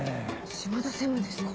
島田専務ですか？